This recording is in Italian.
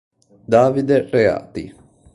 Davide Reati